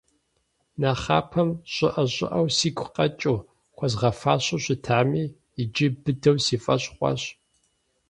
Нэхъапэм щӀыӀэ-щӀыӀэу сигу къэкӀыу, хуэзгъэфащэу щытами, иджы быдэу си фӀэщ хъуащ.